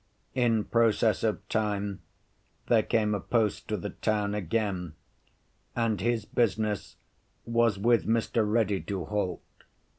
In process of time there came a post to the town again, and his business was with Mr. Ready to halt.